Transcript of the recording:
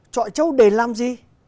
trọi trâu để làm gì